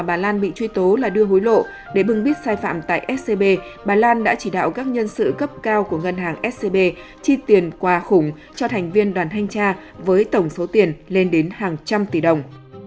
bà lan bị truy tố là đưa hối lộ để bưng bít sai phạm tại scb bà lan đã chỉ đạo các nhân sự cấp cao của ngân hàng scb chi tiền quà khủng cho thành viên đoàn thanh tra với tổng số tiền lên đến hàng trăm tỷ đồng